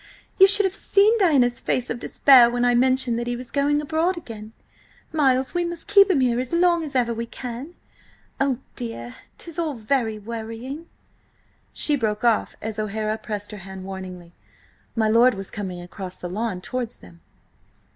you should have seen Diana's face of despair when I mentioned that he was going abroad again. Miles, we must keep him here as long as ever we can! Oh, dear! 'tis all very worrying." She broke off as O'Hara pressed her hand warningly. My lord was coming across the lawn towards them.